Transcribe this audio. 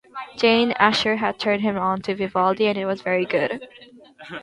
Jane Asher had turned him on to Vivaldi, and it was very good.